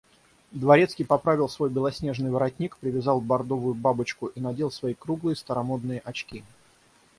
Дворецкий поправил свой белоснежный воротник, привязал бардовую бабочку и надел свои круглые старомодные очки.